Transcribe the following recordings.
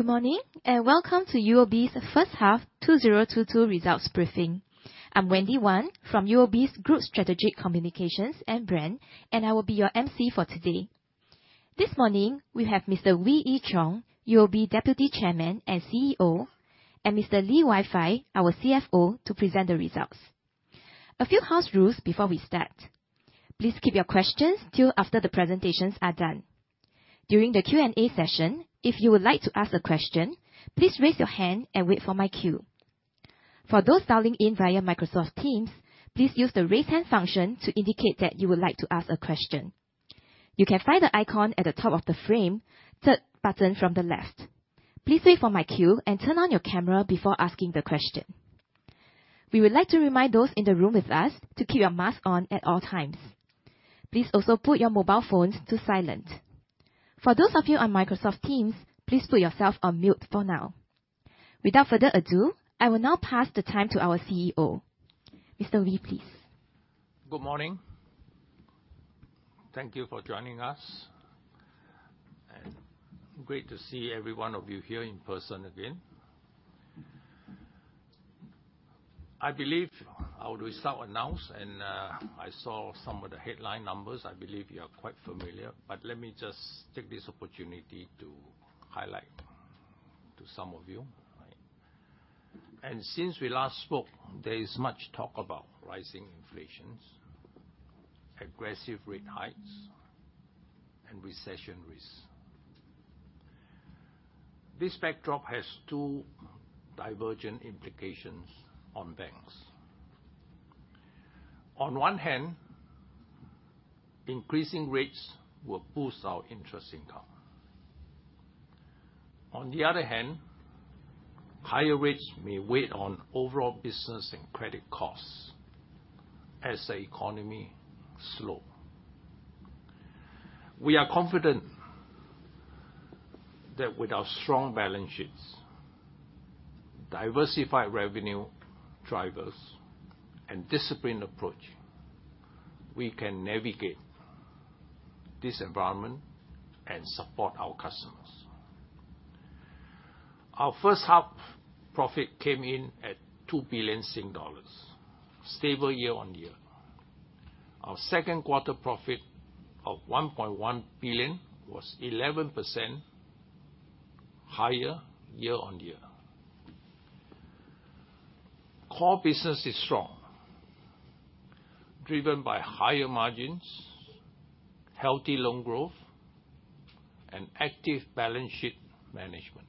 Good morning, and welcome to UOB's first half 2022 results briefing. I'm Wendy Wan from UOB's Group Strategic Communications and Brand, and I will be your MC for today. This morning, we have Mr. Wee Ee Cheong, UOB Deputy Chairman and CEO, and Mr. Lee Wai Fai, our CFO, to present the results. A few house rules before we start. Please keep your questions till after the presentations are done. During the Q&A session, if you would like to ask a question, please raise your hand and wait for my cue. For those dialing in via Microsoft Teams, please use the raise hand function to indicate that you would like to ask a question. You can find the icon at the top of the frame, third button from the left. Please wait for my cue and turn on your camera before asking the question. We would like to remind those in the room with us to keep your mask on at all times. Please also put your mobile phones on silent. For those of you on Microsoft Teams, please put yourself on mute for now. Without further ado, I will now pass the mic to our CEO. Mr. Wee, please. Good morning. Thank you for joining us, and great to see every one of you here in person again. I believe our results announcement, and I saw some of the headline numbers. I believe you are quite familiar, but let me just take this opportunity to highlight to some of you, all right? Since we last spoke, there is much talk about rising inflation, aggressive rate hikes, and recession risks. This backdrop has two divergent implications on banks. On one hand, increasing rates will boost our interest income. On the other hand, higher rates may weigh on overall business and credit costs, as the economy slows. We are confident that with our strong balance sheets, diversified revenue drivers, and disciplined approach, we can navigate this environment and support our customers. Our first-half profit came in at 2 billion Sing dollars, stable year-on-year. Our second quarter profit of 1.1 billion was 11% higher year-on-year. Core business is strong, driven by higher margins, healthy loan growth, and active balance sheet management.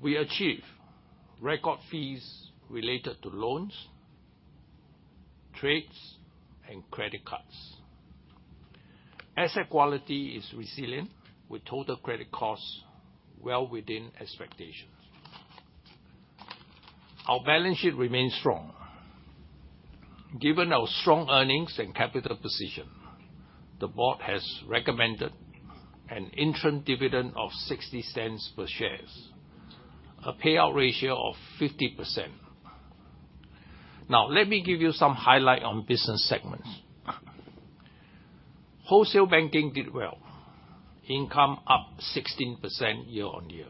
We achieved record fees related to loans, trades, and credit cards. Asset quality is resilient, with total credit costs well within expectations. Our balance sheet remains strong. Given our strong earnings and capital position, the board has recommended an interim dividend of 60 cents per share, a payout ratio of 50%. Now, let me give you some highlight on business segments. Wholesale banking did well. Income up 16% year-on-year,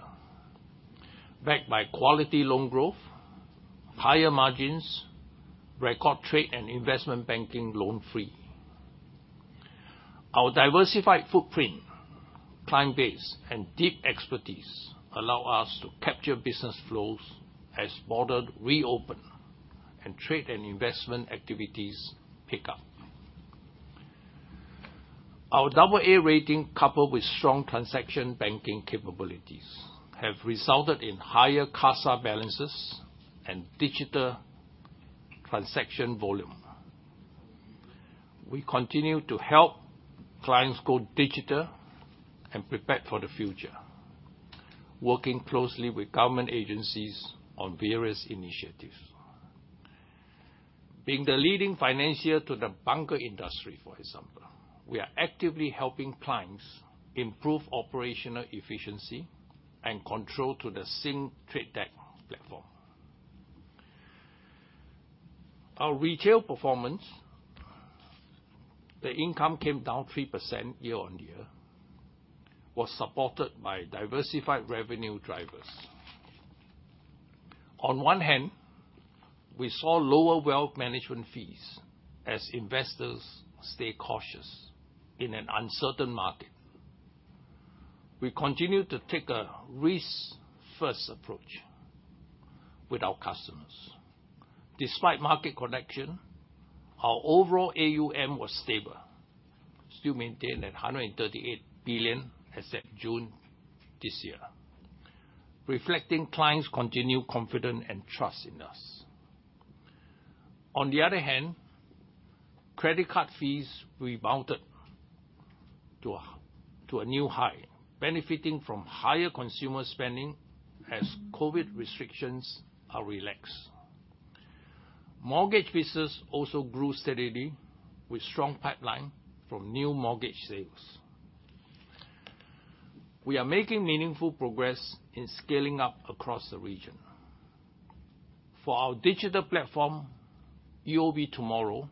backed by quality loan growth, higher margins, record trade and investment banking loan fee. Our diversified footprint, client base, and deep expertise allow us to capture business flows as borders reopen and trade and investment activities pick up. Our AA rating, coupled with strong transaction banking capabilities, have resulted in higher CASA balances, and digital transaction volume. We continue to help clients go digital and prepare for the future, working closely with government agencies on various initiatives. Being the leading financier to the bunker industry, for example, we are actively helping clients improve operational efficiency, and cost control through the same TradeTech platform. Our retail performance, the income came down 3% year-on-year, was supported by diversified revenue drivers. On one hand, we saw lower wealth management fees as investors stay cautious in an uncertain market. We continue to take a risk-first approach with our customers. Despite market correction, our overall AUM was stable, still maintained at 138 billion as at June this year, reflecting clients' continued confidence and trust in us. On the other hand, credit card fees rebounded to a new high, benefiting from higher consumer spending as COVID restrictions are relaxed. Mortgage business also grew steadily, with strong pipeline from new mortgage sales. We are making meaningful progress in scaling up across the region. For our digital platform, UOB Tomorrow,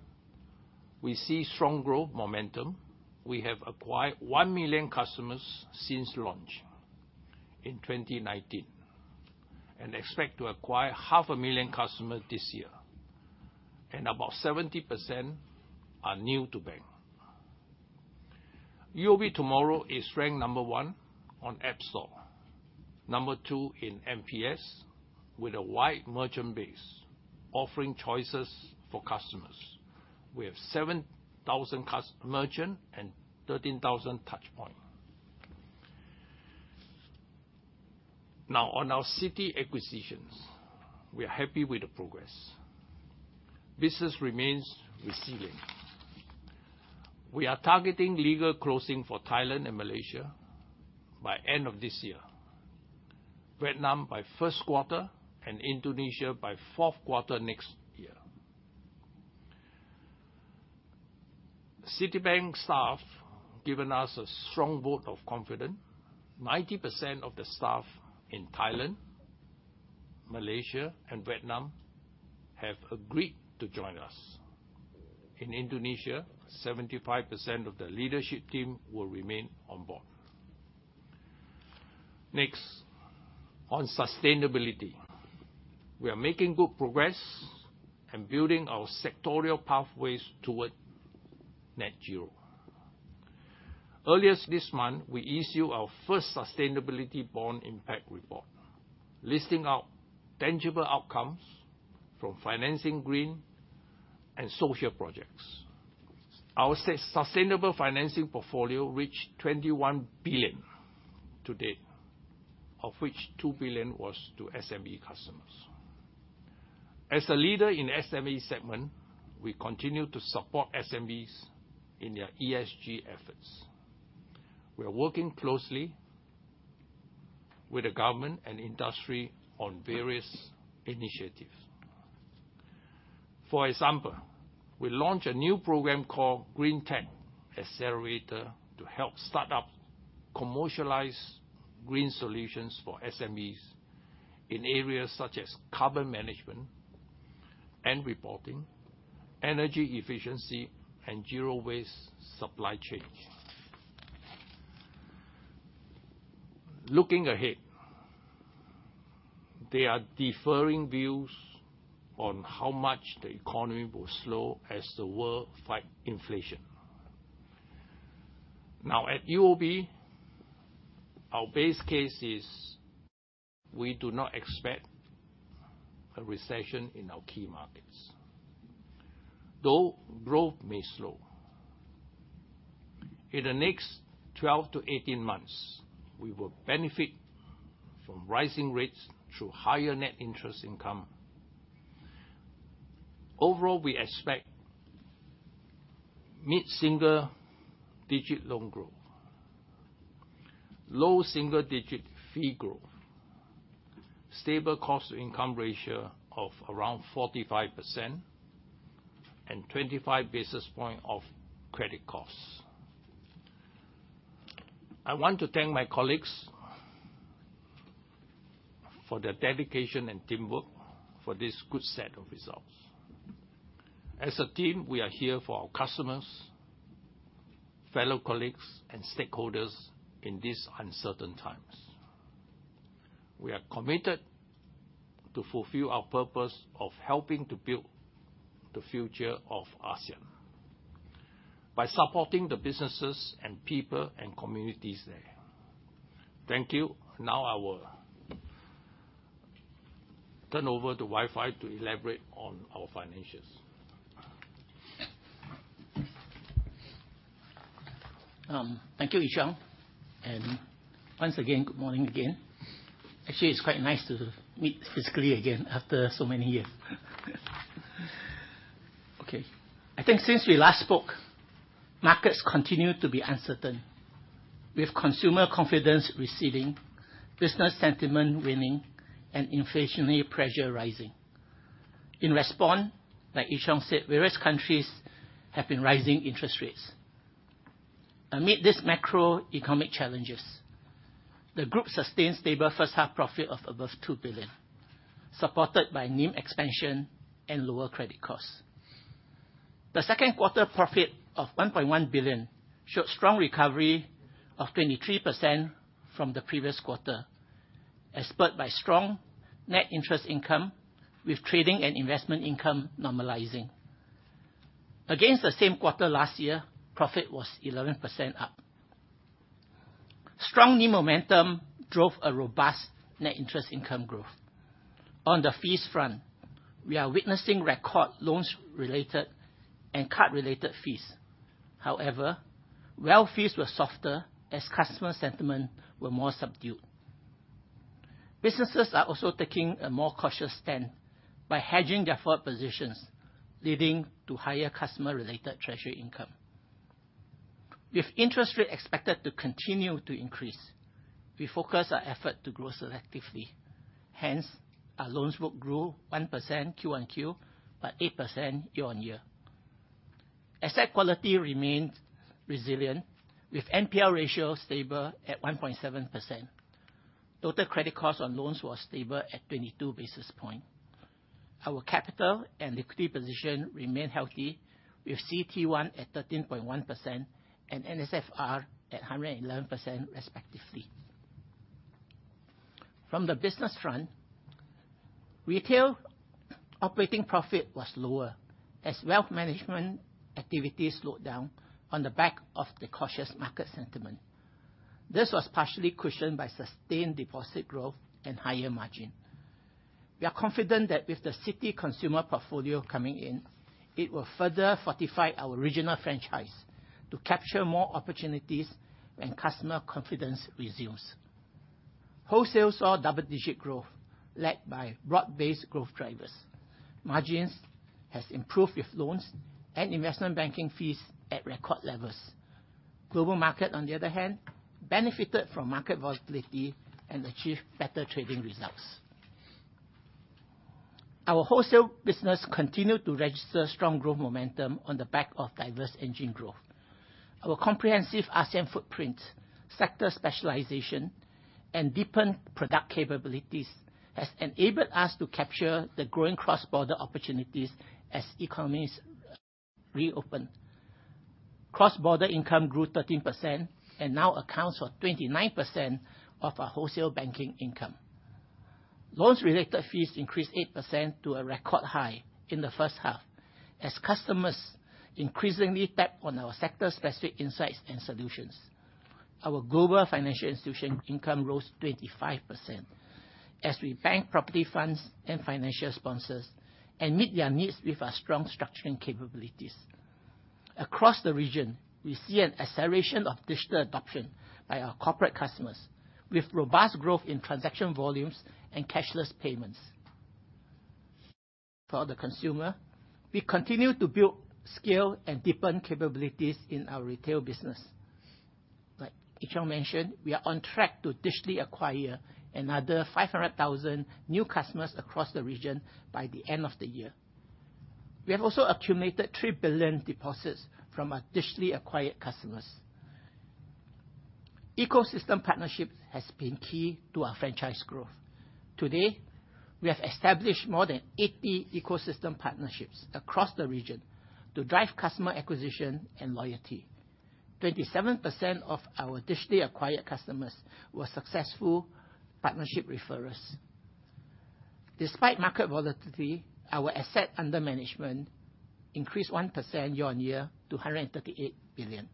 we see strong growth momentum. We have acquired 1 million customers since launch in 2019, and expect to acquire 500,000 customers this year, and about 70% are new to bank. UOB Tomorrow is ranked number one on App Store, number two in NPS, with a wide merchant base offering choices for customers. We have 7,000 merchants and 13,000 touchpoints. Now, on our Citi acquisitions, we are happy with the progress. Business remains resilient. We are targeting legal closing for Thailand and Malaysia, by end of this year, Vietnam by first quarter, and Indonesia by fourth quarter next year. Citibank staff given us a strong vote of confidence. 90% of the staff in Thailand, Malaysia, and Vietnam have agreed to join us. In Indonesia, 75% of the leadership team will remain on board. Next, on sustainability, we are making good progress and building our sectoral pathways toward net zero. Earlier this month, we issued our first sustainability bond impact report, listing out tangible outcomes from financing green and social projects. Our sustainable financing portfolio reached 21 billion to date, of which 2 billion was to SME customers. As a leader in SME segment, we continue to support SMEs in their ESG efforts. We are working closely with the government and industry on various initiatives. For example, we launched a new program called GreenTech Accelerator to help startups commercialize green solutions for SMEs in areas such as carbon management and reporting, energy efficiency, and zero-waste supply chain. Looking ahead, there are differing views on how much the economy will slow as the world fight inflation. Now, at UOB, our base case is we do not expect a recession in our key markets, though growth may slow. In the next 12-18 months, we will benefit from rising rates through higher net interest income. Overall, we expect mid-single digit loan growth, low single digit fee growth, stable cost-to-income ratio of around 45%, and 25 basis points of credit costs. I want to thank my colleagues for their dedication and teamwork for this good set of results. As a team, we are here for our customers, fellow colleagues, and stakeholders in these uncertain times. We are committed to fulfill our purpose of helping to build the future of ASEAN by supporting the businesses and people and communities there. Thank you. Now I will turn over to Lee Wai Fai to elaborate on our financials. Thank you, Wee Ee Cheong, and once again, good morning again. Actually, it's quite nice to meet physically again after so many years. Okay. I think since we last spoke, markets continue to be uncertain, with consumer confidence receding, business sentiment waning, and inflationary pressure rising. In response, like Wee Ee Cheong said, various countries have been raising interest rates. Amid this macroeconomic challenges, the group sustained stable first half profit of above 2 billion, supported by NIM expansion and lower credit costs. The second quarter profit of 1.1 billion, showed strong recovery of 23% from the previous quarter, as spurred by strong net interest income with trading and investment income normalizing. Against the same quarter last year, profit was 11% up. Strong NIM momentum drove a robust net interest income growth. On the fees front, we are witnessing record loans related and card-related fees. However, wealth fees were softer as customer sentiment was more subdued. Businesses are also taking a more cautious stand by hedging their forward positions, leading to higher customer-related treasury income. With interest rates expected to continue to increase, we focus our effort to grow selectively. Hence, our loans book grew 1% Q-on-Q, but 8% year-on-year. Asset quality remained resilient, with NPL ratio stable at 1.7%. Total credit cost on loans was stable at 22 basis points. Our capital and liquidity position remain healthy with CET1 at 13.1%, and NSFR at 111% respectively. From the business front, retail operating profit was lower as wealth management activities slowed down on the back of the cautious market sentiment. This was partially cushioned by sustained deposit growth and higher margin. We are confident that with the Citi Consumer portfolio coming in, it will further fortify our regional franchise to capture more opportunities when customer confidence resumes. Wholesale saw double-digit growth led by broad-based growth drivers. Margins has improved with loans and investment banking fees at record levels. Global Markets, on the other hand, benefited from market volatility and achieved better trading results. Our wholesale business continued to register strong growth momentum on the back of diverse engines of growth. Our comprehensive ASEAN footprint, sector specialization, and deepened product capabilities has enabled us to capture the growing cross-border opportunities as economies reopen. Cross-border income grew 13%, and now accounts for 29% of our wholesale banking income. Loans-related fees increased 8% to a record high in the first half as customers increasingly tap on our sector-specific insights and solutions. Our global financial institution income rose 25%, as we bank property funds and financial sponsors, and meet their needs with our strong structuring capabilities. Across the region, we see an acceleration of digital adoption by our corporate customers with robust growth in transaction volumes and cashless payments. For the consumer, we continue to build scale and deepen capabilities in our retail business. Like Wee Ee Cheong mentioned, we are on track to digitally acquire another 500,000 new customers across the region by the end of the year. We have also accumulated 3 billion deposits from our digitally acquired customers. Ecosystem partnerships has been key to our franchise growth. Today, we have established more than 80 ecosystem partnerships across the region, to drive customer acquisition and loyalty. 27% of our digitally acquired customers were successful partnership referrers. Despite market volatility, our assets under management increased 1% year-on-year to 138 billion.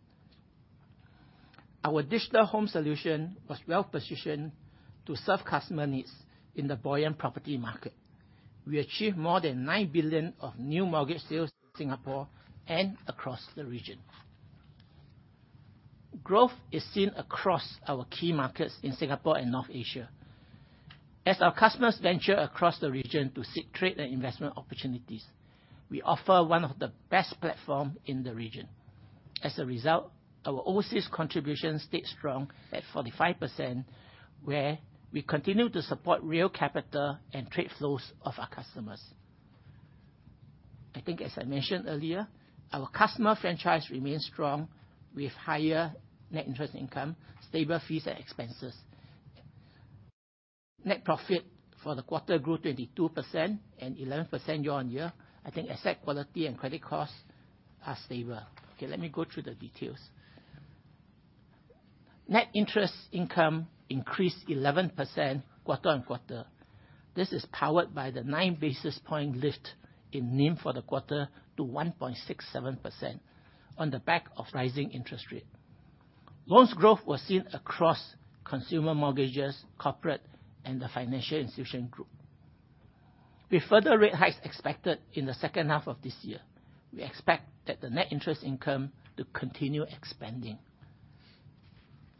Our digital home solution was well-positioned to serve customer needs in the buoyant property market. We achieved more than 9 billion of new mortgage sales in Singapore and across the region. Growth is seen across our key markets in Singapore and North Asia. As our customers venture across the region to seek trade and investment opportunities, we offer one of the best platform in the region. As a result, our overseas contribution stayed strong at 45%, where we continue to support real capital and trade flows of our customers. I think as I mentioned earlier, our customer franchise remains strong with higher net interest income, stable fees and expenses. Net profit for the quarter grew 22% and 11% year-on-year. I think asset quality and credit costs are stable. Okay, let me go through the details. Net interest income increased 11% quarter-on-quarter. This is powered by the nine basis point lift in NIM for the quarter to 1.67% on the back of rising interest rate. Loans growth was seen across consumer mortgages, corporate, and the financial institution group. With further rate hikes expected in the second half of this year, we expect that the net interest income to continue expanding.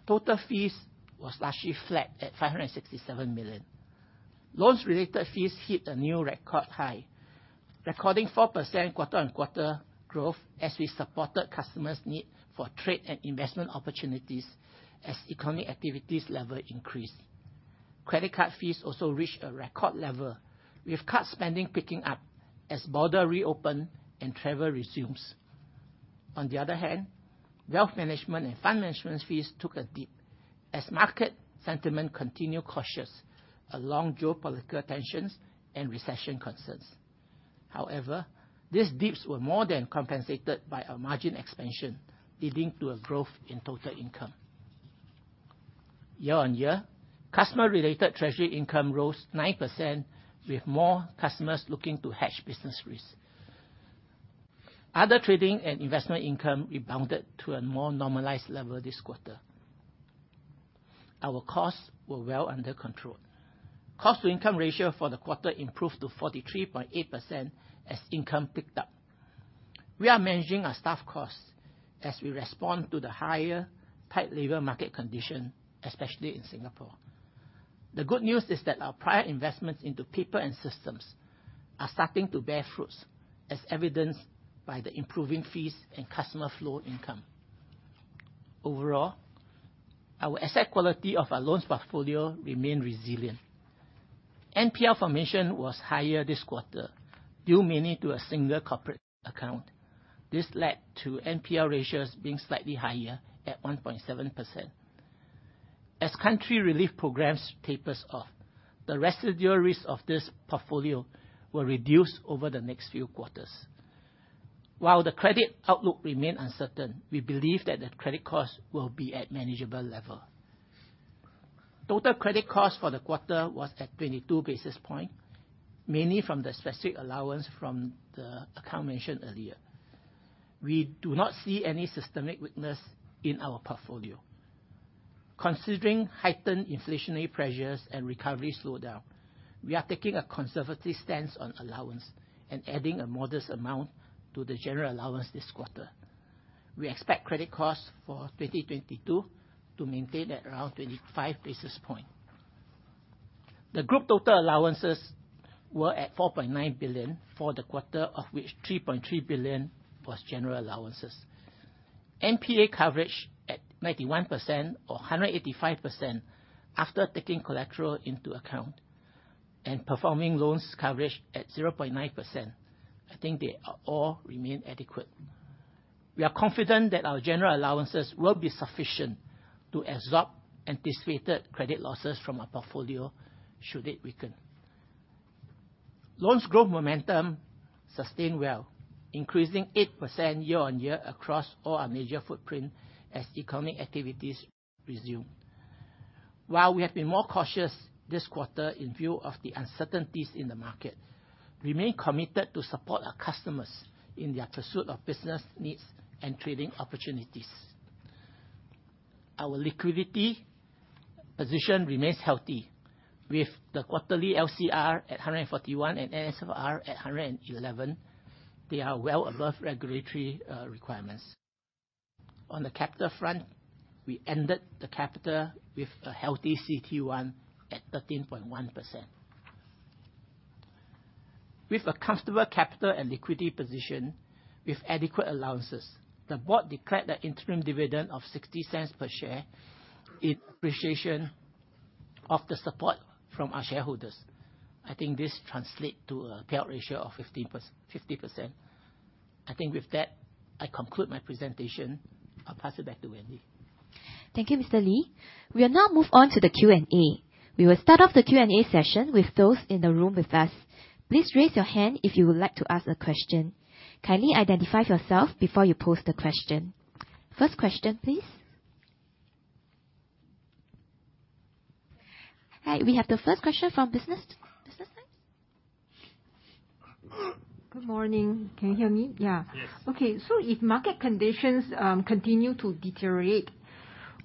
Total fees was largely flat at 567 million. Loans-related fees hit a new record high, recording 4% quarter-on-quarter growth as we supported customers' need for trade and investment opportunities as economic activity levels increased. Credit card fees also reached a record level, with card spending picking up as borders reopen and travel resumes. On the other hand, wealth management and fund management fees took a dip as market sentiment continued cautious along geopolitical tensions and recession concerns. However, these dips were more than compensated by our margin expansion, leading to a growth in total income. Year-on-year, customer-related treasury income rose 9%, with more customers looking to hedge business risk. Other trading and investment income rebounded to a more normalized level this quarter. Our costs were well under control. Cost-to-income ratio for the quarter improved to 43.8% as income picked up. We are managing our staff costs as we respond to the tight labor market condition, especially in Singapore. The good news is that our prior investments into people and systems, are starting to bear fruit, as evidenced by the improving fees and customer flow income. Overall, our asset quality of our loans portfolio remain resilient. NPL formation was higher this quarter, due mainly to a single corporate account. This led to NPL ratios being slightly higher at 1.7%. As country relief programs tapers off, the residual risk of this portfolio will reduce over the next few quarters. While the credit outlook remain uncertain, we believe that the credit cost will be at manageable level. Total credit cost for the quarter was at 22 basis points, mainly from the specific allowance from the account mentioned earlier. We do not see any systemic weakness in our portfolio. Considering heightened inflationary pressures and recovery slowdown, we are taking a conservative stance on allowance and adding a modest amount to the general allowance this quarter. We expect credit costs for 2022 to maintain at around 25 basis points. The group total allowances were at 4.9 billion for the quarter, of which 3.3 billion was general allowances. NPA coverage at 91% or 185% after taking collateral into account, and performing loans coverage at 0.9%. I think they all remain adequate. We are confident that our general allowances will be sufficient, to absorb anticipated credit losses from our portfolio should it weaken. Loans growth momentum sustained well, increasing 8% year-on-year across all our major footprint as economic activities resume. While we have been more cautious this quarter in view of the uncertainties in the market, we remain committed to support our customers in their pursuit of business needs and trading opportunities. Our liquidity position remains healthy. With the quarterly LCR at 141 and NSFR at 111, they are well above regulatory requirements. On the capital front, we ended the quarter with a healthy CET1 at 13.1%. With a comfortable capital and liquidity position, with adequate allowances, the board declared an interim dividend of 0.60 per share in appreciation of the support from our shareholders. I think this translate to a payout ratio of 50%. I think with that, I conclude my presentation. I'll pass it back to Wendy. Thank you, Mr. Lee. We will now move on to the Q&A. We will start off the Q&A session with those in the room with us. Please raise your hand if you would like to ask a question. Kindly identify yourself before you pose the question. First question, please. Hi. We have the first question from The Business Times. Good morning. Can you hear me? Yeah. Yes. Okay. If market conditions continue to deteriorate,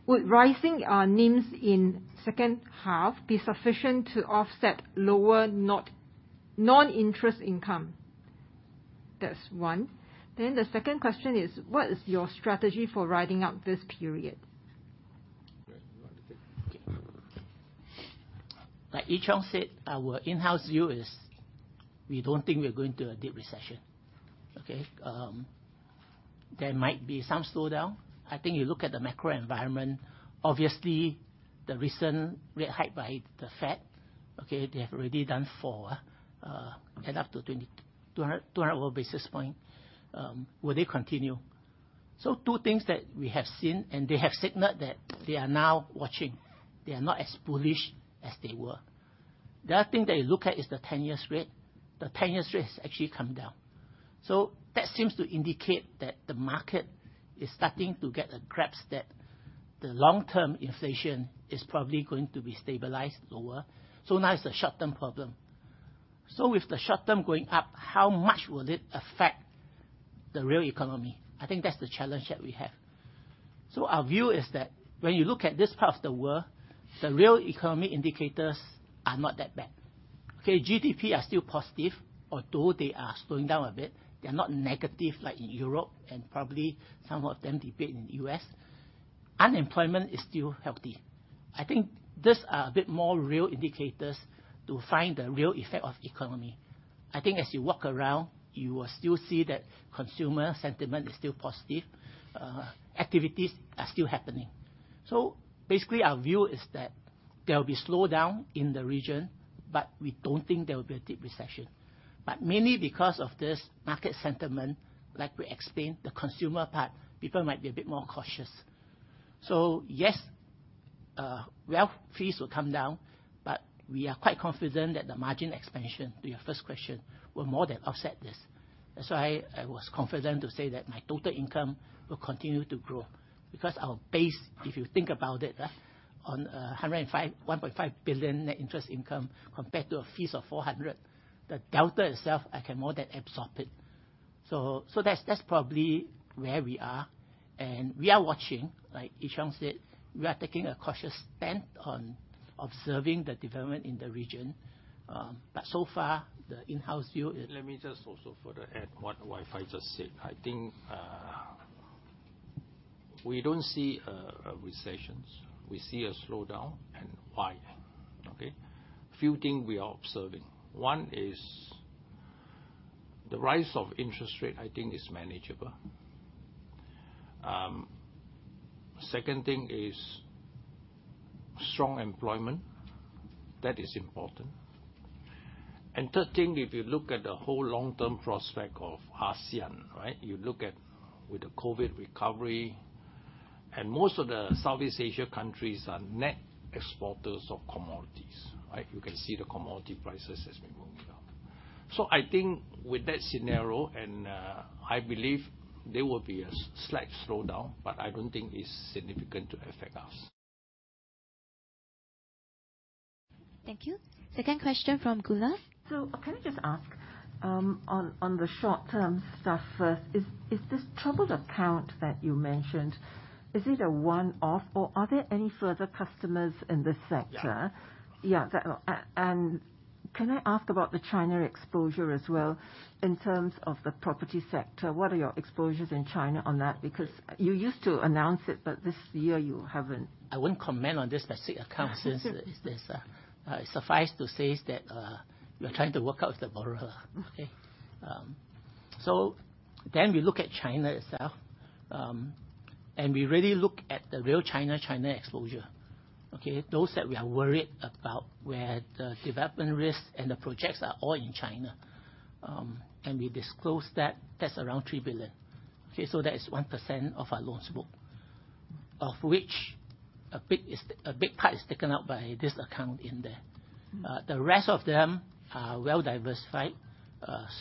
would rising NIMs in second half be sufficient to offset lower non-interest income? That's one. The second question is: What is your strategy for riding out this period? You want to take it? Okay. Like Wee Ee Cheong said, our in-house view is we don't think we're going to a deep recession, okay. There might be some slowdown. I think you look at the macro environment, obviously the recent rate hike by the Fed, okay, they have already done four add up to two hundred basis points. Will they continue? Two things that we have seen, and they have signaled that they are now watching. They are not as bullish as they were. The other thing they look at is the ten-year rate. The ten-year rate has actually come down. That seems to indicate that the market is starting to get a grasp that the long-term inflation is probably going to be stabilized lower. Now it's a short-term problem. With the short-term going up, how much will it affect the real economy? I think that's the challenge that we have. Our view is that when you look at this part of the world, the real economy indicators are not that bad. Okay, GDP are still positive, although they are slowing down a bit. They're not negative like in Europe and probably some debate in the U.S. Unemployment is still healthy. I think these are a bit more real indicators to find the real effect of economy. I think as you walk around, you will still see that consumer sentiment is still positive. Activities are still happening. Basically, our view is that there will be slowdown in the region, but we don't think there will be a deep recession. Mainly because of this market sentiment, like we explained, the consumer part, people might be a bit more cautious. Yes, wealth fees will come down, but we are quite confident that the margin expansion to your first question will more than offset this. I was confident to say that my total income will continue to grow because our base, if you think about it, on a 1.5 billion net interest income compared to fees of 400 million, the delta itself, I can more than absorb it. That's probably where we are. We are watching. Like Wee Ee Cheong said, we are taking a cautious stand on observing the development in the region. So far, the in-house view is. Let me just also further add what Lee Wai Fai just said. I think we don't see recessions. We see a slowdown and why, okay. Few things we are observing. One is the rise of interest rate, I think, is manageable. Second thing is strong employment. That is important. Third thing, if you look at the whole long-term prospect of ASEAN, right? You look at with the COVID recovery, and most of the Southeast Asia countries are net exporters of commodities. Right? You can see the commodity prices has been moving up. I think with that scenario, and I believe there will be a slight slowdown, but I don't think it's significant to affect us. Thank you. Second question from Aakash Goolab. Can I just ask, on the short-term stuff first. Is this troubled account that you mentioned, is it a one-off, or are there any further customers in this sector? Yeah. Yeah. Can I ask about the China exposure as well in terms of the property sector? What are your exposures in China on that? Because you used to announce it, but this year you haven't. I wouldn't comment on this specific account since it's suffice to say, that we are trying to work out with the borrower. Okay? We look at China itself, and we really look at the real China China exposure. Okay? Those that we are worried about, where the development risks and the projects are all in China. We disclose that's around 3 billion. Okay, so that is 1% of our loans book, of which a big part is taken up by this account in there. The rest of them are well-diversified,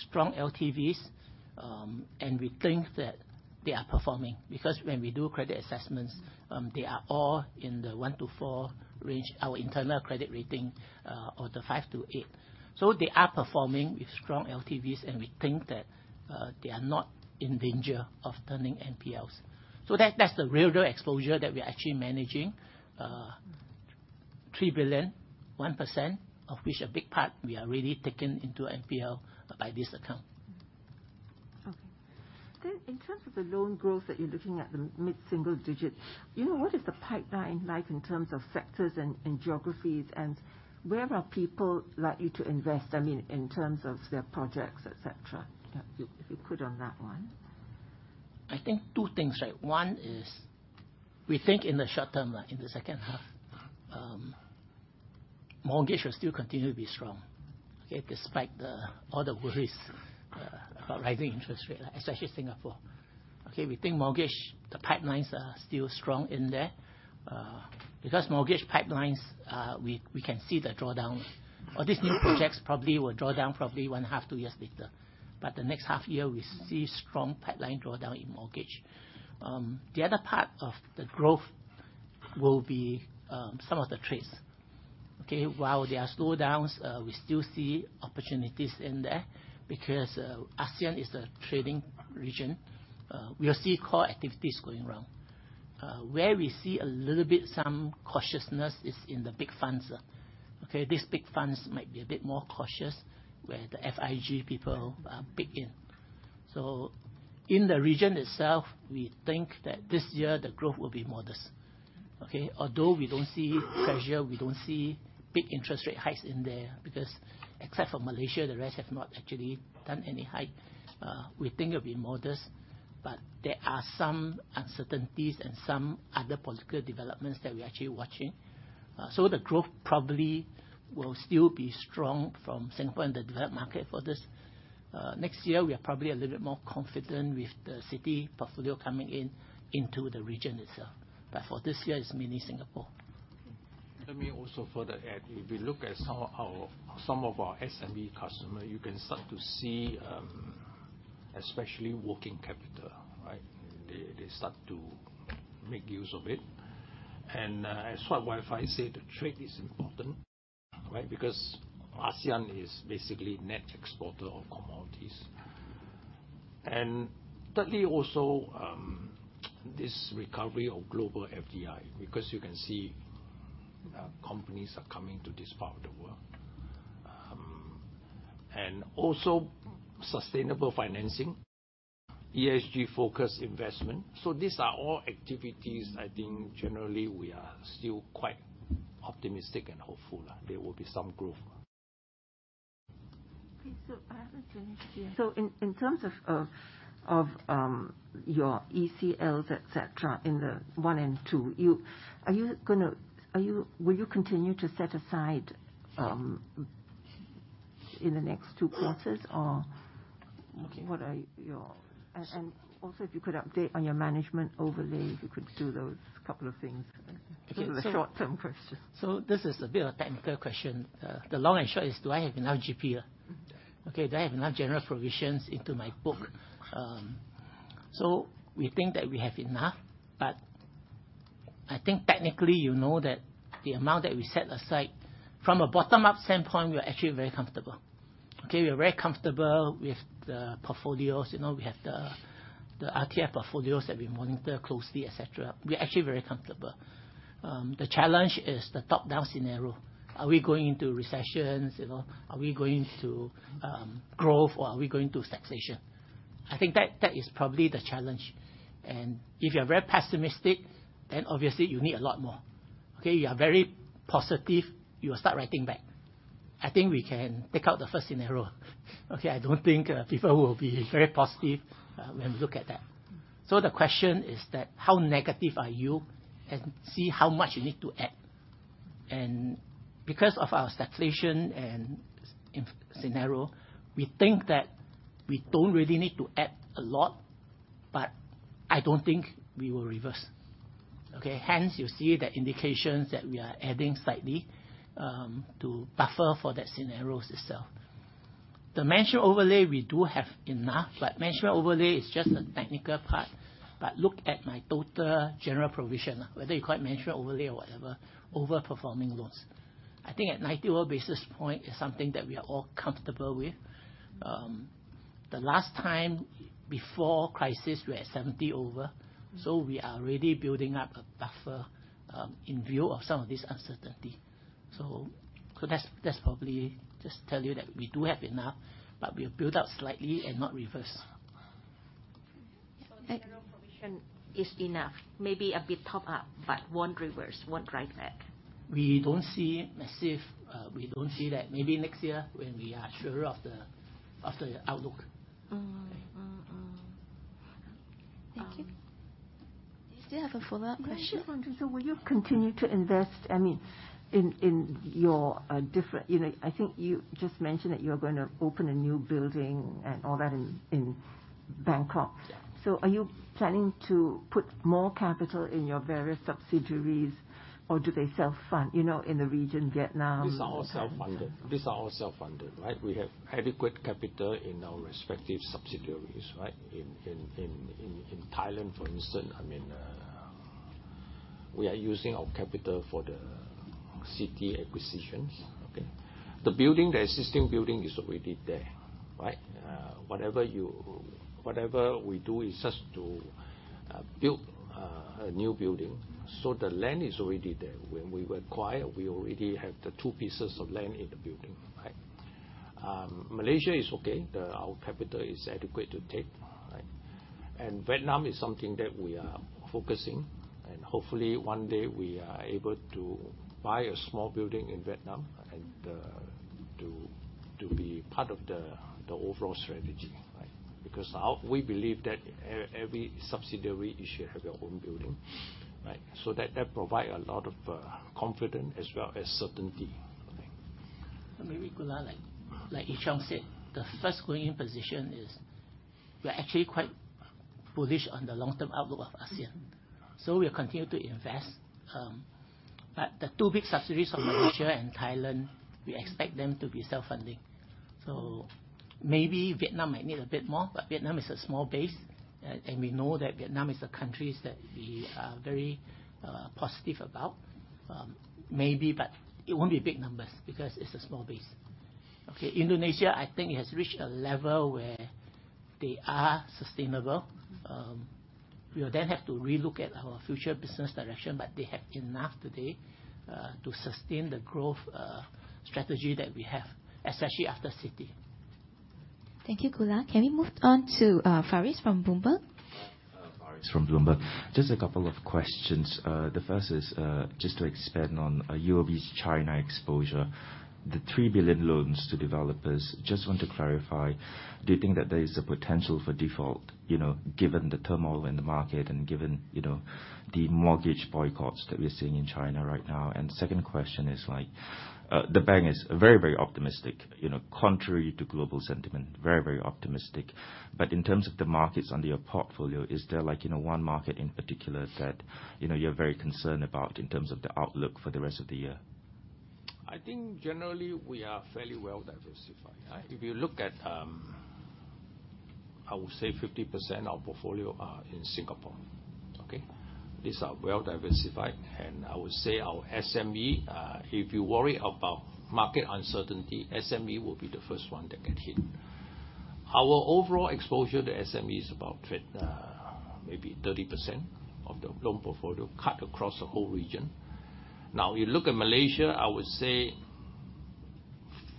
strong LTVs, and we think that they are performing. Because when we do credit assessments, they are all in the one to four range, our internal credit rating, or the five to eight. They are performing with strong LTVs, and we think that they are not in danger of turning NPLs. That's the real exposure that we are actually managing, 3 billion, 1%, of which a big part we are really taking into NPLs by this account. Okay. In terms of the loan growth that you're looking at, the mid-single digit, you know, what is the pipeline like in terms of sectors and geographies, and where are people likely to invest? I mean, in terms of their projects, et cetera. Yeah. If you could on that one. I think two things, right? One is we think in the short term, like in the second half, mortgage will still continue to be strong. Okay? Despite all the worries about rising interest rates, especially Singapore. Okay, we think mortgage, the pipelines are still strong in there, because mortgage pipelines, we can see the drawdown. All these new projects probably will draw down one half, two years later. The next half year we see strong pipeline drawdown in mortgage. The other part of the growth will be some of the trades. Okay? While there are slowdowns, we still see opportunities in there because ASEAN is a trading region. We are seeing core activities going around. Where we see a little bit some cautiousness is in the big funds. Okay? These big funds might be a bit more cautious, where the FIG people begin. In the region itself, we think that this year the growth will be modest. Okay? Although we don't see pressure, we don't see big interest rate hikes in there, because except for Malaysia, the rest have not actually done any hike. We think it'll be modest, but there are some uncertainties and some other political developments that we're actually watching. The growth probably will still be strong from Singapore and the developed market for this. Next year we are probably a little bit more confident with the Citi portfolio coming in, into the region itself. For this year it's mainly Singapore. Let me also further add. If you look at some of our SME customer, you can start to see, especially working capital. Right? They start to make use of it. As Lee Wai Fai said, the trade is important, right, because ASEAN is basically net exporter of commodities. Thirdly also, this recovery of global FDI, because you can see, companies are coming to this part of the world. Also sustainable financing, ESG-focused investment. These are all activities I think generally we are still quite optimistic and hopeful that there will be some growth. Okay. I have a question. In terms of your ECLs, et cetera, in the one and two, will you continue to set aside in the next two quarters? Also, if you could update on your management overlay, if you could do those couple of things. Okay. This is a short-term question. This is a bit of a technical question. The long and short is do I have enough GP? Okay, do I have enough general provisions into my book? We think that we have enough, but I think technically you know that the amount that we set aside from a bottom-up standpoint, we are actually very comfortable. Okay? We are very comfortable with the portfolios. You know, we have the RTF portfolios that we monitor closely, et cetera. We are actually very comfortable. The challenge is the top-down scenario. Are we going into recessions? You know, are we going to growth or are we going to stagnation? I think that is probably the challenge. If you are very pessimistic, then obviously you need a lot more. Okay, you are very positive you will start writing back. I think we can take out the first scenario. Okay, I don't think people will be very positive when we look at that. The question is that how negative are you? See how much you need to add. Because of our conservative and stress scenario, we think that we don't really need to add a lot, but I don't think we will reverse. Okay? Hence, you see the indications that we are adding slightly, to buffer for the scenarios itself. The management overlay we do have enough, but management overlay is just the technical part. Look at my total general provision, whether you call it management overlay or whatever, performing loans. I think at 91 basis point is something that we are all comfortable with. The last time before crisis, we were at 70 over, so we are really building up a buffer, in view of some of this uncertainty. That's probably just tell you that we do have enough, but we'll build up slightly and not reverse. General provision is enough. Maybe a bit top up, but won't reverse, won't write back. We don't see that maybe next year when we are surer of the outlook. Thank you. Do you still have a follow-up question? Yeah, I just wonder, so will you continue to invest? You know, I think you just mentioned that you're gonna open a new building and all that in Bangkok. Yeah. Are you planning to put more capital in your various subsidiaries, or do they self-fund, you know, in the region, Vietnam? These are all self-funded, right? We have adequate capital in our respective subsidiaries, right? In Thailand, for instance, I mean, we are using our capital for the Citi acquisitions. Okay? The existing building is already there, right? Whatever we do is just to build a new building. So the land is already there. When we were acquired, we already have the two pieces of land in the building, right? Malaysia is okay. Our capital is adequate to take. Right? Vietnam is something that we are focusing, and hopefully one day we are able to buy a small building in Vietnam, and to be part of the overall strategy, right? We believe that every subsidiary, you should have your own building, right? That provides a lot of confidence as well as certainty. Okay. Maybe Aakash Goolab, like Wee Ee Cheong said, the first thing our position is we're actually quite bullish on the long-term outlook of ASEAN, so we'll continue to invest. But the two big subsidiaries of Malaysia and Thailand, we expect them to be self-funding. Maybe Vietnam might need a bit more, but Vietnam is a small base, and we know that Vietnam is a country that we are very positive about. Maybe, but it won't be big numbers because it's a small base. Okay, Indonesia, I think, has reached a level where they are sustainable. We will then have to relook at our future business direction, but they have enough today to sustain the growth strategy that we have, especially after Citi. Thank you, Aakash Goolab. Can we move on to Faris from Bloomberg? Faris from Bloomberg. Just a couple of questions. The first is, just to expand on, UOB's China exposure. The 3 billion loans to developers, just want to clarify, do you think that there is a potential for default, you know, given the turmoil in the market and given, you know, the mortgage boycotts that we're seeing in China right now? Second question is like, the bank is very, very optimistic, you know, contrary to global sentiment, very, very optimistic. But in terms of the markets under your portfolio, is there like, you know, one market in particular that, you know, you're very concerned about in terms of the outlook for the rest of the year? I think generally we are fairly well diversified, right? If you look at, I would say 50% of portfolio are in Singapore. Okay? These are well diversified. I would say our SME, if you worry about market uncertainty, SME will be the first one that get hit. Our overall exposure to SME is about maybe 30%, of the loan portfolio cut across the whole region. Now, you look at Malaysia, I would say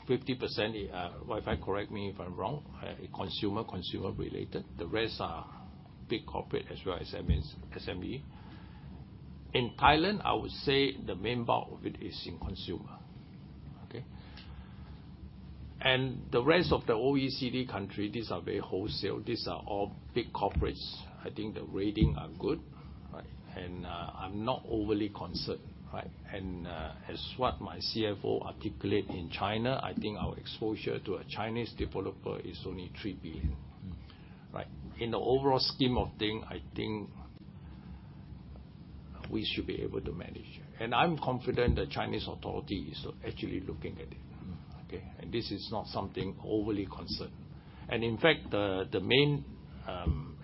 50%, Lee Wai Fai correct me if I'm wrong, consumer related. The rest are big corporate as well as SMEs. In Thailand, I would say the main bulk of it is in consumer. Okay? The rest of the OECD country, these are very wholesale. These are all big corporates. I think the rating are good, right? I'm not overly concerned, right? As what my CFO articulate in China, I think our exposure to a Chinese developer is only 3 billion. Mm. Right. In the overall scheme of things, I think we should be able to manage. I'm confident the Chinese authorities are actually looking at it. Mm. Okay? This is not something overly concerned. In fact, the main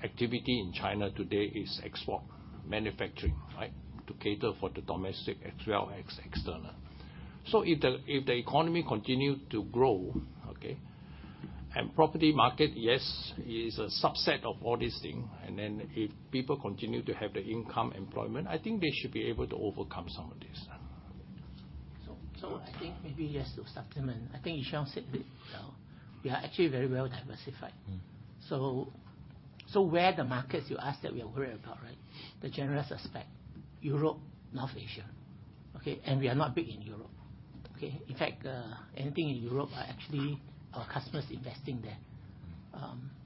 activity in China today is export manufacturing, right? To cater for the domestic as well as external. If the economy continue to grow, okay, and property market, yes, is a subset of all these things, and then if people continue to have the income and employment, I think they should be able to overcome some of this. I think maybe just to supplement, I think Wee Ee Cheong said it well. We are actually very well diversified. Mm. The markets you ask that we are worried about, right? The usual suspects, Europe, North Asia, okay? We are not big in Europe. Okay? In fact, anything in Europe are actually our customers investing there.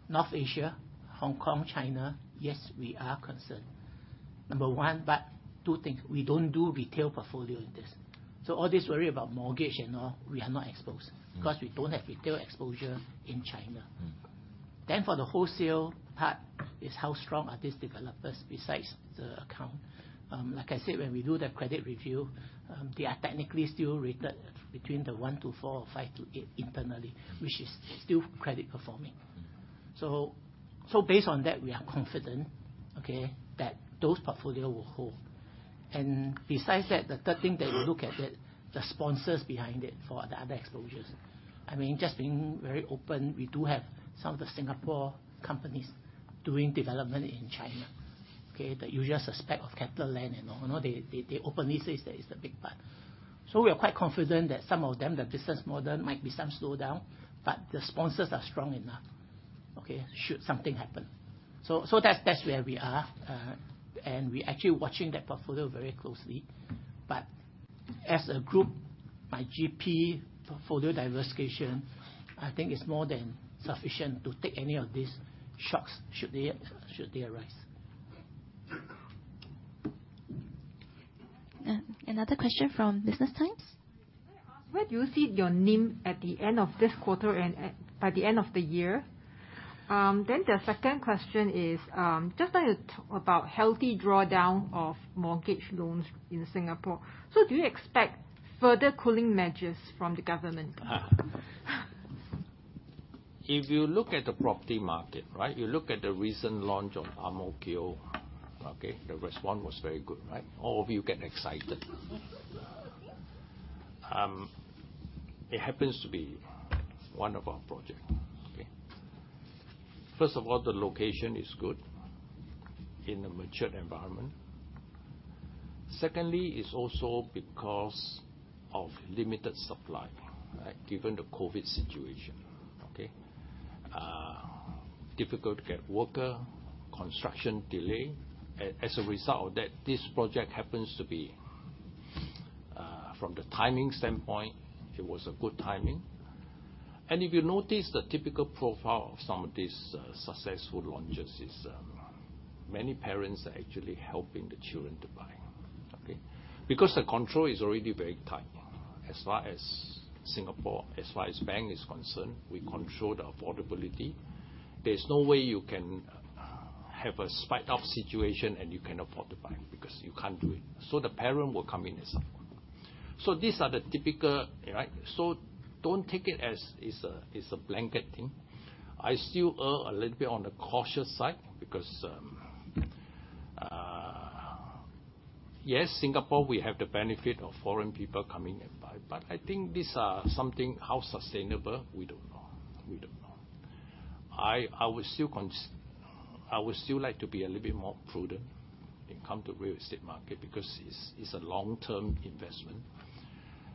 North Asia, Hong Kong, China, yes, we are concerned. Number one, but two things, we don't do retail portfolio in this. All this worry about mortgage and all, we are not exposed. Mm. Because we don't have retail exposure in China. Mm. For the wholesale part is how strong are these developers besides the account. Like I said, when we do the credit review, they are technically still rated between one to four or five to eight internally. Mm. which is still credit performing. Mm. Based on that, we are confident, okay? That those portfolio will hold. Besides that, the third thing that we look at, the sponsors behind it for the other exposures. I mean, just being very open, we do have some of the Singapore companies doing development in China, okay? The usual suspect of Keppel Land and all. You know, they openly say it's the big part. We are quite confident that some of them, the business model might be some slowdown, but the sponsors are strong enough, okay, should something happen. That's where we are. We're actually watching that portfolio very closely. As a group, my GP portfolio diversification, I think is more than sufficient to take any of these shocks should they arise. Another question from The Business Times. May I ask where do you see your NIM at the end of this quarter and by the end of the year? The second question is, just like to talk about healthy drawdown of mortgage loans in Singapore. Do you expect further cooling measures from the government? If you look at the property market, right? You look at the recent launch of Ang Mo Kio, okay, the response was very good, right? All of you get excited. It happens to be one of our project. Okay? First of all, the location is good in a mature environment. Secondly, it's also because of limited supply, right? Given the COVID situation. Okay? Difficult to get worker, construction delay. As a result of that, this project happens to be, from the timing standpoint, it was a good timing. If you notice, the typical profile of some of these, successful launches is, many parents are actually helping the children to buy. Okay? Because the control is already very tight. As far as Singapore, as far as bank is concerned, we control the affordability. There's no way you can have a spiked up situation and you can afford to buy because you can't do it. The parent will come in and support. These are the typical. Right? Don't take it as it's a, it's a blanket thing. I still err a little bit on the cautious side because, yes, Singapore we have the benefit of foreign people coming and buy. I think these are something how sustainable, we don't know. We don't know. I would still like to be a little bit more prudent, when it come to real estate market, because it's a long-term investment.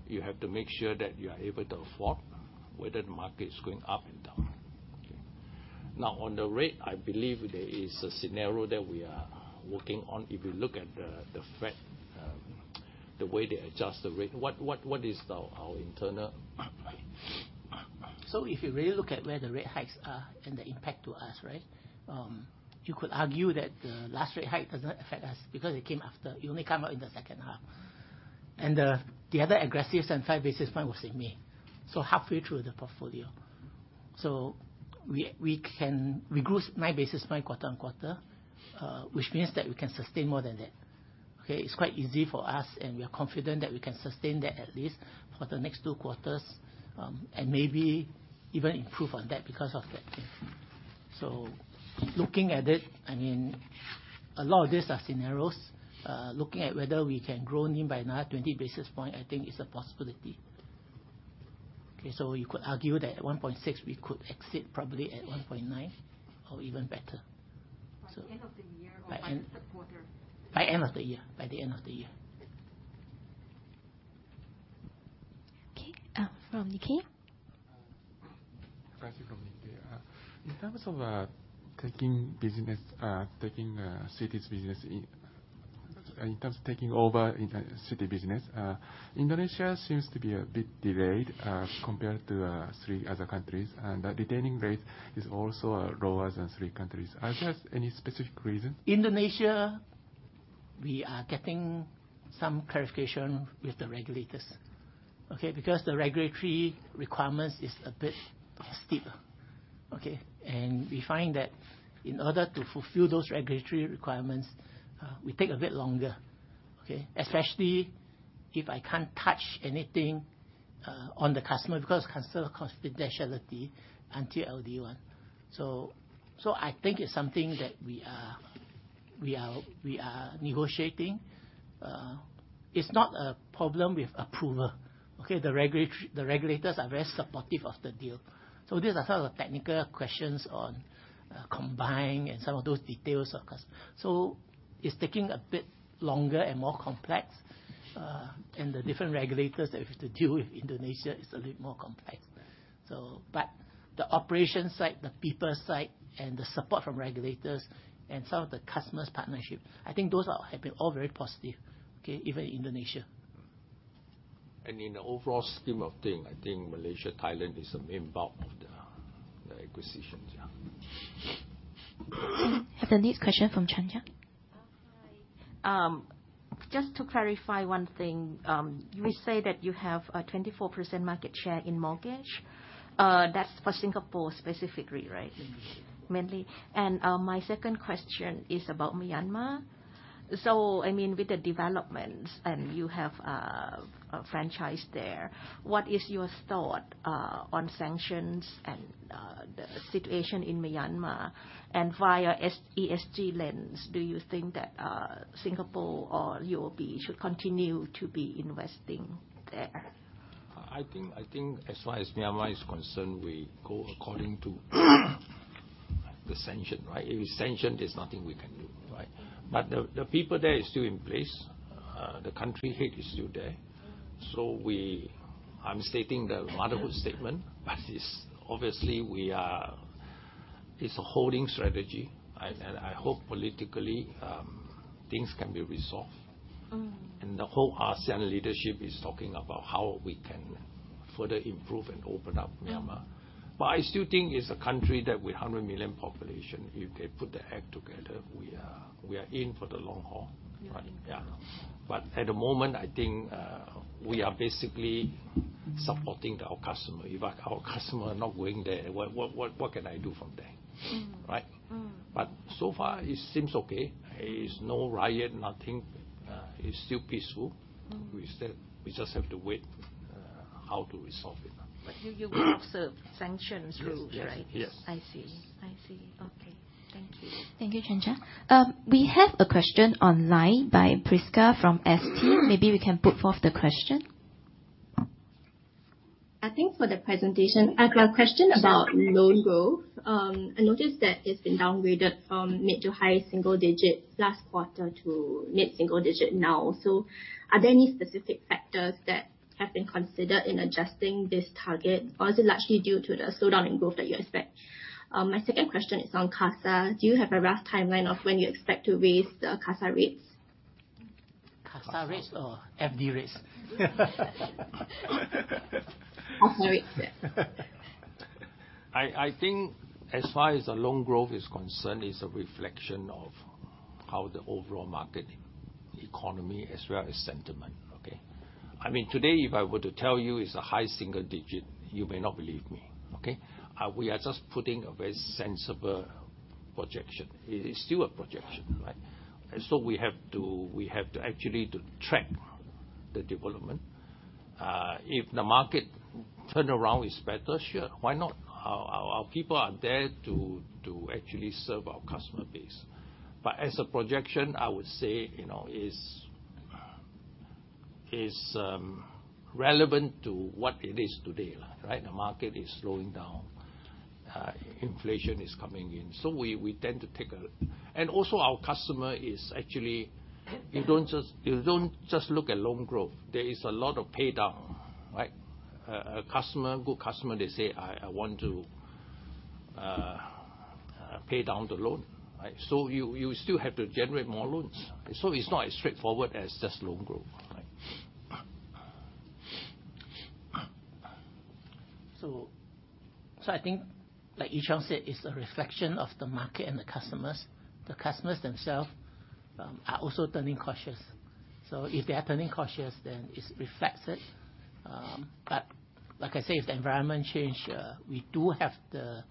You have to make sure that you are able to afford, whether the market is going up and down. Okay? Now, on the rate, I believe there is a scenario that we are working on. If you look at the Fed, the way they adjust the rate. What is our internal If you really look at where the rate hikes are and the impact to us, right? You could argue that the last rate hike does not affect us because it came after. It only came out in the second half. The other aggressive 25 basis points was in May, so halfway through the portfolio. We grew nine basis points quarter-on-quarter, which means that we can sustain more than that. Okay? It is quite easy for us, and we are confident that we can sustain that at least for the next two quarters, and maybe even improve on that because of that thing. Looking at it, I mean, a lot of these are scenarios. Looking at whether we can grow NIM by another 20 basis points, I think is a possibility. Okay? You could argue that at 1.6%, we could exit probably at 1.9% or even better. By end of the year. By end by the third quarter? By the end of the year. Okay. From Nikkei. Uh, Yeah. Firstly from Nikkei. In terms of taking over Citi's business in Indonesia, it seems to be a bit delayed compared to three other countries, and the retention rate is also lower than three countries. Are there any specific reason? Indonesia, we are getting some clarification with the regulators. Because the regulatory requirements is a bit steeper. We find that in order to fulfill those regulatory requirements, we take a bit longer. Especially if I can't touch anything on the customer, because consider confidentiality until they want. I think it's something that we are negotiating. It's not a problem with approval. The regulators are very supportive of the deal. These are sort of technical questions on combined and some of those details, of course. It's taking a bit longer and more complex, and the different regulators that we have to deal with. Indonesia is a little more complex. The operation side, the people side, and the support from regulators, and some of the customers' partnership, I think those have been all very positive. Okay? Even Indonesia. In the overall scheme of things, I think Malaysia, Thailand is the main bulk of the acquisitions. Yeah. The next question from Chanya. Hi. Just to clarify one thing, you may say that you have a 24% market share in mortgage, that's for Singapore specifically, right? Mm-hmm. Mainly. My second question is about Myanmar. I mean, with the developments and you have a franchise there, what is your thought on sanctions and the situation in Myanmar? Via S-ESG lens, do you think that Singapore or UOB should continue to be investing there? I think as far as Myanmar is concerned, we go according to the sanctions right? If it's sanctioned, there's nothing we can do, right? The people there is still in place. The country head is still there. I'm stating the motherhood statement, but it's obviously we are. It's a holding strategy. I hope politically, things can be resolved. Mm-hmm. The whole ASEAN leadership is talking about how we can, further improve and open up Myanmar. I still think it's a country that with 100 million population, if they put their act together, we are in for the long haul. Yeah. Right? Yeah. At the moment, I think, we are basically supporting our customer. If our customer are not going there, what can I do from there? Mm-hmm. Right? Mm-hmm. So far it seems okay. There is no riot, nothing. It's still peaceful. Mm-hmm. We still, we just have to wait, how to resolve it. But. You will observe sanctions rules, right? Yes. Yes. Yes. I see. Okay. Thank you. Thank you, Chanya. We have a question online by Prisca from ST. Maybe we can put forth the question. I think for the presentation, I've a question about loan growth. I noticed that it's been downgraded from mid- to high-single-digit last quarter to mid-single-digit now. Are there any specific factors that have been considered in adjusting this target? Or is it largely due to the slowdown in growth that you expect? My second question is on CASA. Do you have a rough timeline of when you expect to raise the CASA rates? CASA rates or FD rates? CASA rates. Yeah. I think as far as the loan growth is concerned, it's a reflection of how the overall market economy as well as sentiment. Okay. I mean, today, if I were to tell you it's a high single digit, you may not believe me. Okay. We are just putting a very sensible projection. It is still a projection, right? We have to actually track the development. If the market turnaround is better, sure, why not? Our people are there to actually serve our customer base. As a projection, I would say, you know, it's relevant to what it is today, right? The market is slowing down. Inflation is coming in, so we tend to take a. Our customer is actually, you don't just look at loan growth. There is a lot of pay down, right? A good customer, they say, "I want to pay down the loan." Right? So you still have to generate more loans. So it's not as straightforward as just loan growth. Right. I think like Wee Ee Cheong said, it's a reflection of the market and the customers. The customers themselves are also turning cautious. If they are turning cautious, then it reflects it. Like I say, if the environment change, we do have the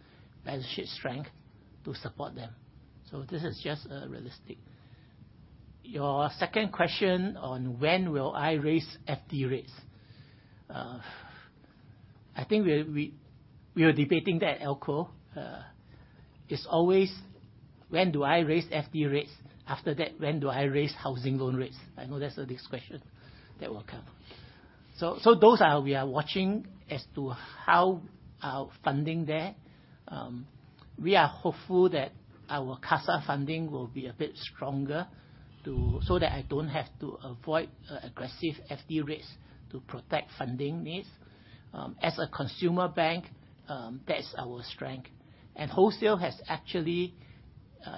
balance sheet strength to support them. This is just realistic. Your second question on when will I raise FD rates. I think we were debating that at ALCO. It's always when do I raise FD rates? After that, when do I raise housing loan rates? I know that's the next question that will come. Those are we are watching as to how our funding there. We are hopeful that our CASA funding will be a bit stronger so that I don't have to avoid aggressive FD rates to protect funding needs. As a consumer bank, that's our strength. Wholesale has actually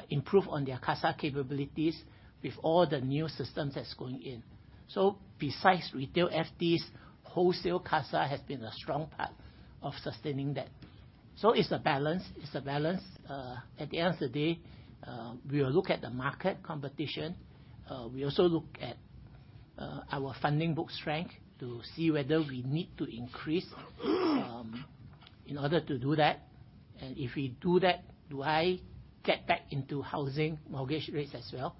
improved on their CASA capabilities with all the new systems that's going in. Besides retail FDs, wholesale CASA has been a strong part of sustaining that. It's a balance. At the end of the day, we will look at the market competition. We also look at our funding book strength, to see whether we need to increase in order to do that. If we do that, do I get back into housing mortgage rates as well?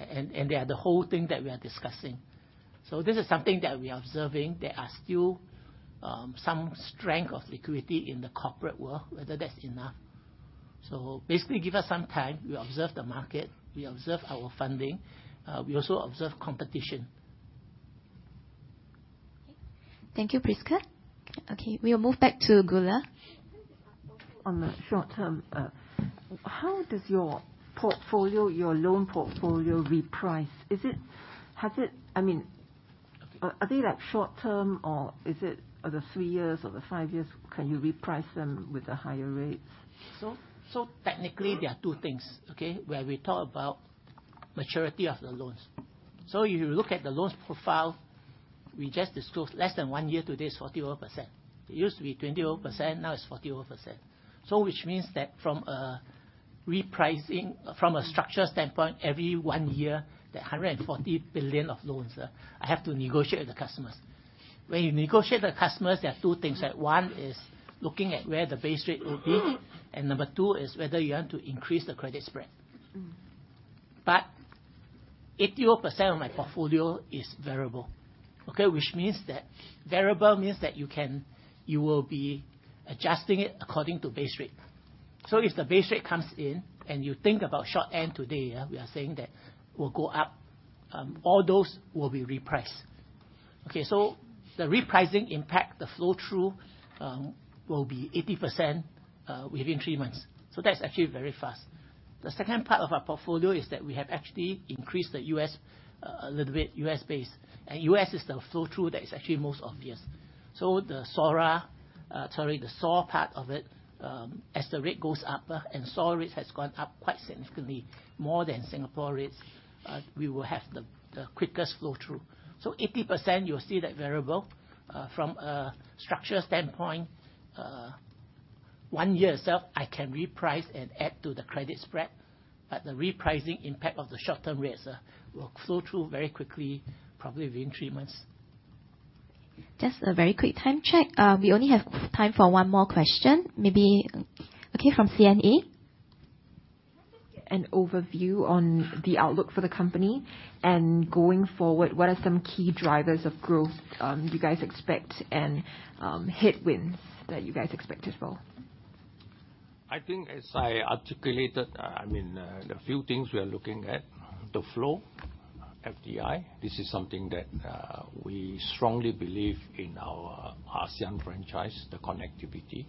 They are the whole thing that we are discussing. This is something that we are observing. There are still some strength of liquidity in the corporate world, whether that's enough. Basically give us some time. We observe the market, we observe our funding, we also observe competition. Okay. Thank you, Prisca. Okay, we'll move back to Goolab. On the short term, how does your portfolio, your loan portfolio reprice? I mean, are they, like, short term, or is it are the three years or the five years? Can you reprice them with the higher rates? Technically, there are two things, okay, where we talk about maturity of the loans. You look at the loans profile we just disclosed, less than one year to this, 41%. It used to be 21%, now it's 41%. Which means that from a repricing, from a structure standpoint, every one year, the 140 billion of loans, I have to negotiate with the customers. When you negotiate with the customers, there are two things. One is looking at where the base rate will be, and number two is whether you want to increase the credit spread. Mm. 81% of my portfolio is variable, okay? Which means that variable means that you will be adjusting it according to base rate. If the base rate comes in and you think about short end today, yeah, we are saying that will go up, all those will be repriced. The repricing impact, the flow-through, will be 80% within three months. That's actually very fast. The second part of our portfolio is that we have actually increased the U.S. a little bit, U.S. base. U.S. is the flow-through that is actually most obvious. The SORA, sorry, the SOFR part of it, as the rate goes up, and SOFR rate has gone up quite significantly more than Singapore rates, we will have the quickest flow-through. 80% you'll see that variable, from a structure standpoint. One year itself, I can reprice and add to the credit spread, but the repricing impact of the short-term rates will flow through very quickly, probably within three months. Just a very quick time check. We only have time for one more question. Okay, from CNA. An overview on the outlook for the company, and going forward, what are some key drivers of growth you guys expect, and headwinds that you guys expect as well? I think as I articulated, I mean, the few things we are looking at, the flow, FDI. This is something that we strongly believe in our ASEAN franchise, the connectivity.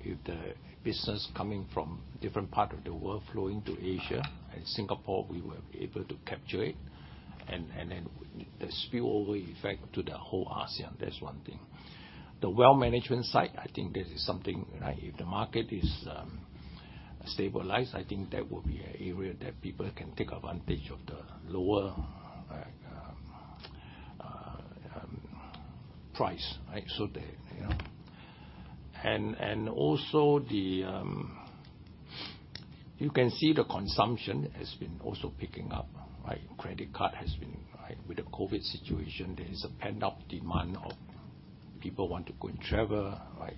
If the business coming from different part of the world flowing to Asia, and Singapore we will be able to capture it. You can see the consumption has been also picking up, right? Credit card has been, right? With the COVID situation, there is a pent-up demand of people want to go and travel, right?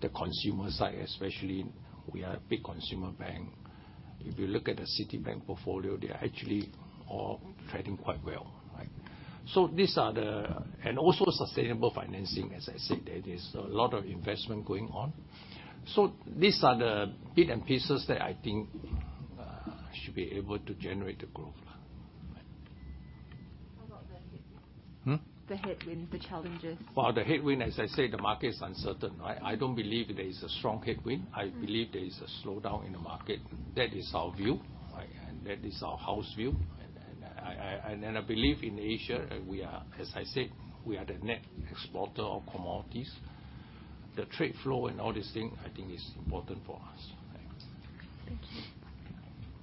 The consumer side especially, we are a big consumer bank. If you look at the Citibank portfolio, they are actually all trading quite well, right? Also sustainable financing. As I said, there is a lot of investment going on. These are the bits and pieces that I think should be able to generate the growth. How about the headwinds? Hmm? The headwinds, the challenges. Well, the headwind, as I said, the market is uncertain, right? I don't believe there is a strong headwind. I believe there is a slowdown in the market. That is our view, right? That is our house view. I believe in Asia, we are, as I said, we are the net exporter of commodities. The trade flow and all these things, I think is important for us. Thank you.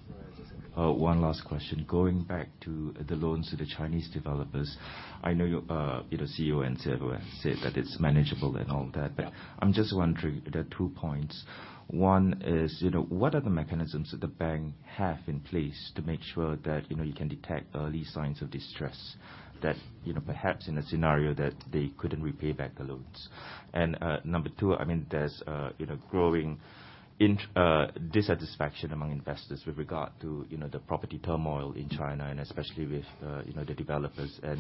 So I just have a- One last question. Going back to the loans to the Chinese developers. I know you know, CEO and CFO have said that it's manageable and all that. Yeah. I'm just wondering the two points. One is, you know, what are the mechanisms that the bank have in place to make sure that, you know, you can detect early signs of distress that, you know, perhaps in a scenario that they couldn't repay back the loans? And, number two, I mean, there's, you know, growing dissatisfaction among investors with regard to, you know, the property turmoil in China, and especially with, you know, the developers. And,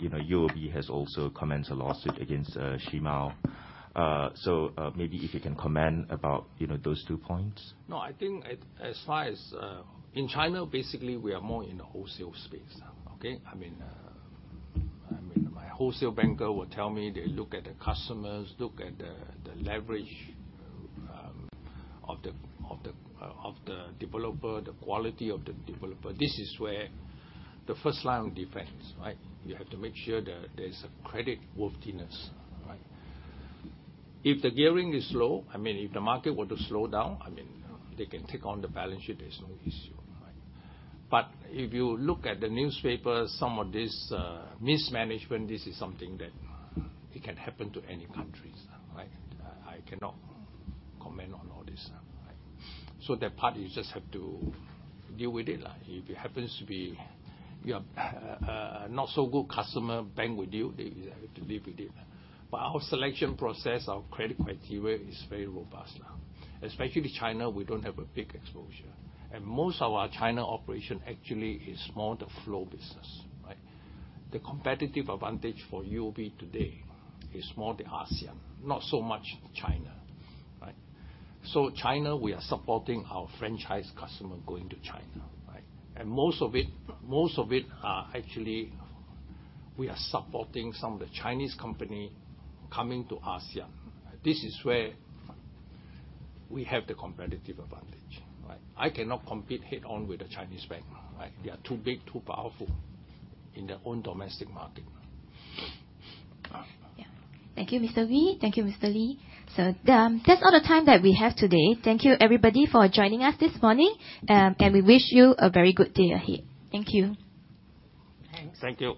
you know, UOB has also commenced a lawsuit against, Shimao. So, maybe if you can comment about, you know, those two points. No, I think as far as in China, basically we are more in the wholesale space. Okay? I mean, my wholesale banker will tell me they look at the customers, look at the leverage of the developer, the quality of the developer. This is where the first line of defense, right? You have to make sure that there's creditworthiness, right? If the gearing is low, I mean, if the market were to slow down, I mean, they can take on the balance sheet, there's no issue, right? But if you look at the newspaper, some of this mismanagement, this is something that it can happen to any countries, right? I cannot comment on all this. That part, you just have to deal with it. If it happens to be, you have a not so good customer base with you, they have to live with it. Our selection process, our credit criteria is very robust, yeah. Especially China, we don't have a big exposure. Most of our China operation actually is more the flow business, right? The competitive advantage for UOB today is more the ASEAN, not so much China. Right? China, we are supporting our franchise customer going to China, right? Most of it are actually we are supporting some of the Chinese company, coming to ASEAN. This is where we have the competitive advantage, right? I cannot compete head on with a Chinese bank, right? They are too big, too powerful in their own domestic market. Yeah. Thank you, Mr. Wee. Thank you, Mr. Lee. That's all the time that we have today. Thank you, everybody, for joining us this morning. We wish you a very good day ahead. Thank you. Thanks. Thank you.